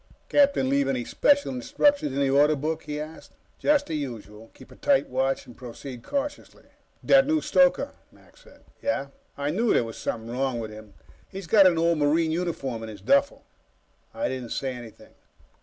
"Captain leave any special instructions in the Order Book?" he asked. "Just the usual. Keep a tight watch and proceed cautiously." "That new stoker," Mac said. "Yeah?" "I knew there was something wrong with him. He's got an old Marine uniform in his duffel." I didn't say anything.